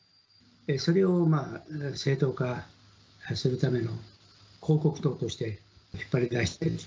それを正当化するための広告塔として引っ張り出してる。